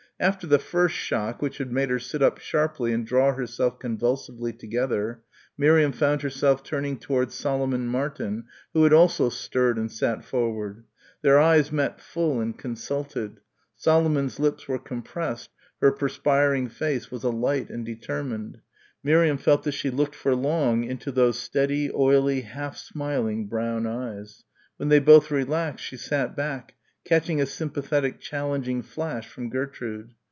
After the first shock which had made her sit up sharply and draw herself convulsively together, Miriam found herself turning towards Solomon Martin who had also stirred and sat forward. Their eyes met full and consulted. Solomon's lips were compressed, her perspiring face was alight and determined. Miriam felt that she looked for long into those steady, oily half smiling brown eyes. When they both relaxed she sat back, catching a sympathetic challenging flash from Gertrude.